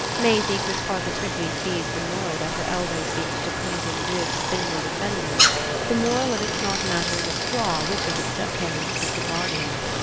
Maisie could positively seize the moral that her elbow seemed to point in ribs thinly defended the moral of its not mattering a straw which of the step parents was the guardian.